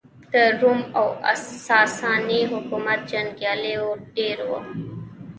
د روم او ساسا ني حکومت جنګیالېیو ډېر وو.